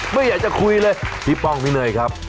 ไม่อยากจะคุยเลยพี่ป้องพี่เนยครับ